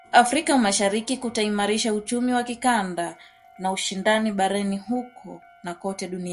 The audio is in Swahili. Afrika ya Mashariki kutaimarisha uchumi wa kikanda na ushindani barani huko na kote duniani